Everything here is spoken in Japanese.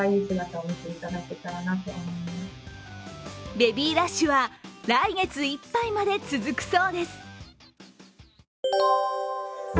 ベビーラッシュは来月いっぱいまで続くそうです。